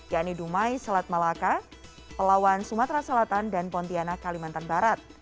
yakni dumai selat malaka pelawan sumatera selatan dan pontianak kalimantan barat